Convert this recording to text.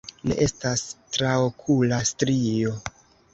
Ne estas traokula strio.